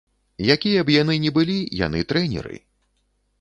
Якія б яны ні былі, яны трэнеры.